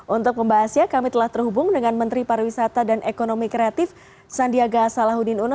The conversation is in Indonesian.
untuk membahasnya kami telah terhubung dengan menteri pariwisata dan ekonomi kreatif sandiaga salahuddin uno